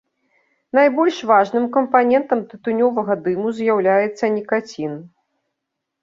Найбольш важным кампанентам тытунёвага дыму з'яўляецца нікацін.